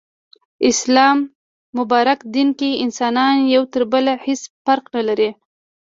اسلام مبارک دين کي انسانان يو تر بله هيڅ فرق نلري